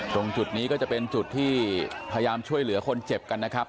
ตรงจุดนี้ก็จะเป็นจุดที่พยายามช่วยเหลือคนเจ็บกันนะครับ